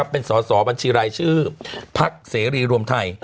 เป็นสอสอบัญชีรายชื่อพักเสรีรวมไทย